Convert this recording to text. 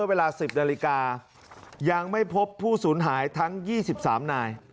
เวลาสิบนาฬิกายังไม่พบผู้สูญหายทั้งยี่สิบสามนาย